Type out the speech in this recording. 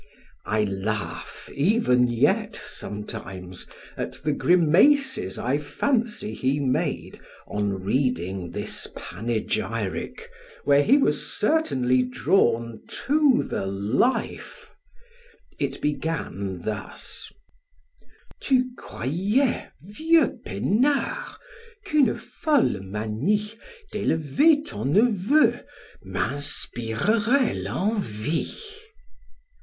I laugh, even yet, sometimes, at the grimaces I fancy he made on reading this panegyric, where he was certainly drawn to the life; it began thus: Tu croyois, vieux Penard, qu' une folle manie D' elever ton neveu m'inspireroit l'envie.